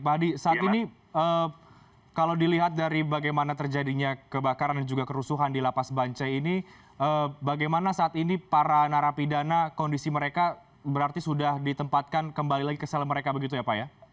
pak hadi saat ini kalau dilihat dari bagaimana terjadinya kebakaran dan juga kerusuhan di lapas bancai ini bagaimana saat ini para narapidana kondisi mereka berarti sudah ditempatkan kembali lagi ke sel mereka begitu ya pak ya